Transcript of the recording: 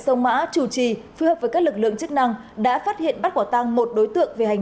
sông mã chủ trì phối hợp với các lực lượng chức năng đã phát hiện bắt quả tăng một đối tượng về hành